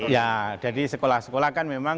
ya jadi sekolah sekolah kan memang